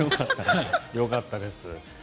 よかったです。